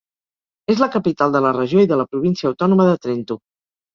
És la capital de la regió i de la província autònoma de Trento.